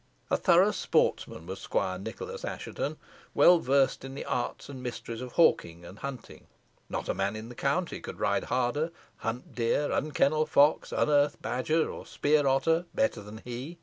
A thorough sportsman was Squire Nicholas Assheton, well versed in all the arts and mysteries of hawking and hunting. Not a man in the county could ride harder, hunt deer, unkennel fox, unearth badger, or spear otter, better than he.